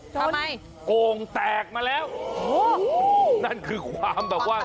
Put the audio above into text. ทำไมโก่งแตกมาแล้วโอ้โหนั่นคือความแบบว่า